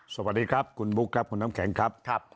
สวัสดีครับคุณบุ๊คครับคุณน้ำแข็งครับ